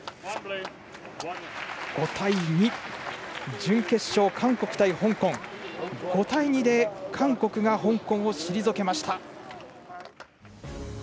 準決勝、韓国対香港は５対２で韓国が香港を退けました。